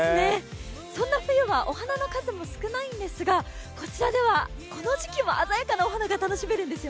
そんな冬はお花の数も少ないんですがこちらではこの時期も鮮やかなお花が楽しめるんですよね。